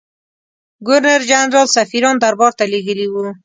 ګورنرجنرال سفیران دربارته لېږلي وه.